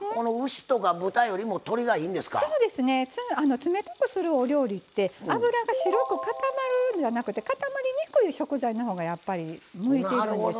冷たくするお料理って脂が白く固まるんじゃなくて固まりにくい食材のほうがやっぱり向いてるんです。